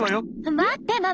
待ってママ。